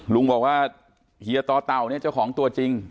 ลุงบอกว่าเฮียต่อเต่าเนี่ยเจ้าของตัวจริง